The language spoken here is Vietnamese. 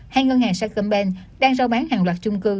hai ngân hàng sacombank đang rao bán hàng loạt trung cư